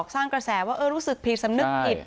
สร้างกระแสว่ารู้สึกผิดสำนึกผิด